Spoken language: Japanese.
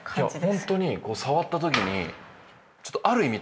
本当に触った時にちょっとある意味